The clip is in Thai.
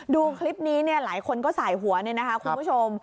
ดูคลิปนี้เนี่ยหลายคนก็สายหัวเนี่ยนะคะคุณผู้ชม